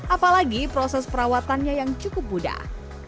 apalagi proses perawatannya yang cukup mudah